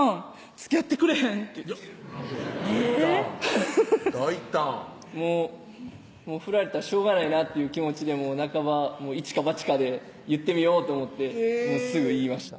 「つきあってくれへん？」って大胆大胆振られたらしょうがないなっていう気持ちで半ば一か八かで言ってみようと思ってすぐ言いました